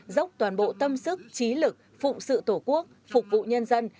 dốc toàn bộ tâm sức trí lực phụng sự tổ quốc phục vụ nhân dân